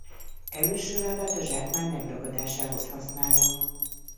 Elülső lábát a zsákmány megragadásához használja.